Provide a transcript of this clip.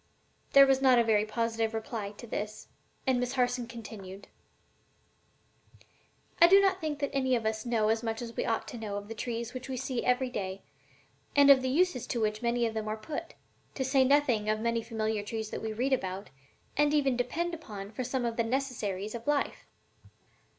There was not a very positive reply to this; and Miss Harson continued: "I do not think that any of us know as much as we ought to know of the trees which we see every day, and of the uses to which many of them are put, to say nothing of many familiar trees that we read about, and even depend upon for some of the necessaries of life."